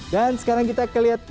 dan sekarang kita akan mencari